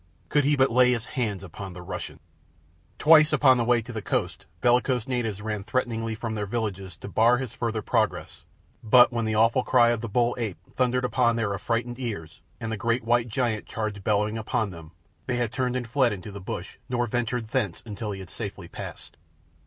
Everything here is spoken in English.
Could he but lay his hand upon the Russian! Twice upon the way to the coast bellicose natives ran threateningly from their villages to bar his further progress, but when the awful cry of the bull ape thundered upon their affrighted ears, and the great white giant charged bellowing upon them, they had turned and fled into the bush, nor ventured thence until he had safely passed.